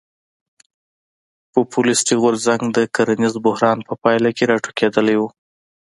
پوپولیستي غورځنګ د کرنیز بحران په پایله کې راټوکېدلی و.